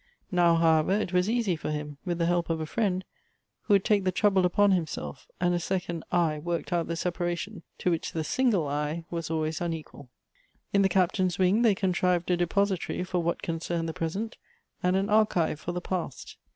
Now, however, it was easy for him, with the help of a friend, who would take the trouble upon himself; and a second " I " worked out the separation, to which the single "I" was always unequal. In the Captain's wing, they contrived a depository for what concerned the present, and an archive for the past.